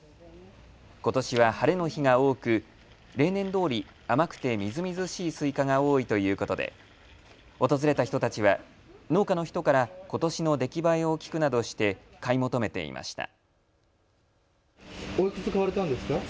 ことしは晴れの日が多く例年どおり甘くてみずみずしいスイカが多いということで訪れた人たちは農家の人からことしの出来栄えを聞くなどして買い求めていました。